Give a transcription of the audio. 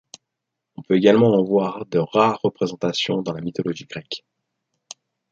On peut également en voir de rares représentations dans la mythologie grecque.